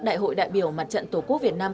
đại hội đại biểu mặt trận tổ quốc việt nam